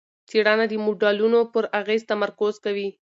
څېړنه د موډلونو پر اغېز تمرکز کوي.